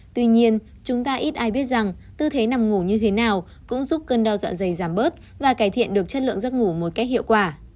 tuy nhiên chúng ta ít ai biết rằng tư thế nằm ngủ như thế nào cũng giúp cơn đau dạ dày giảm bớt và cải thiện được chất lượng giấc ngủ một cách hiệu quả